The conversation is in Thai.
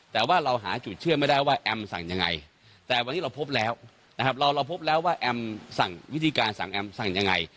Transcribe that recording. แต่วันนี้เราพบแล้วนะครับเราพบแล้วว่าวิธีการสั่งแอมม์สั่งยังไง